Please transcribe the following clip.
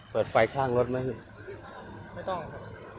เปิดไฟข้างรถไหมไม่ต้องครับจนกว่าจะมีคำสั่ง